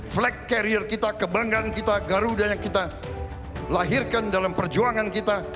flag carrier kita kebanggaan kita garuda yang kita lahirkan dalam perjuangan kita